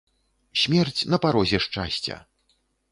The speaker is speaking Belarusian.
Смерць на парозе шчасця!